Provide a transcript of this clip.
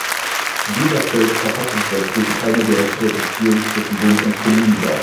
Dieser stellt verfassungsrechtlich keine direkte Beziehung zwischen Bund und Kommunen dar.